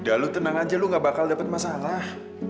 udah lu tenang aja lu gak bakal dapet masalah